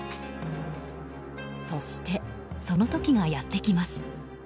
そして、その時がやってきます。